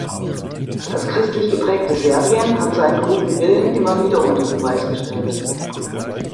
Das christlich geprägte Serbien hat seinen guten Willen immer wieder unter Beweis gestellt.